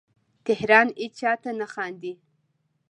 تهران هیچا ته نه خاندې